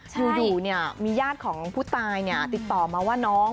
อยู่เนี่ยมีญาติของผู้ตายเนี่ยติดต่อมาว่าน้อง